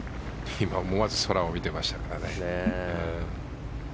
今、思わず空を見てましたね。